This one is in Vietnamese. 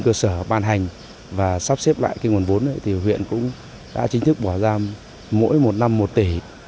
trên cơ sở ban hành và sắp xếp lại nguồn vốn này thì huyện cũng đã chính thức bỏ ra mỗi một năm một tỷ